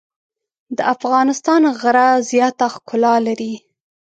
د افغانستان غره زیاته ښکلا لري.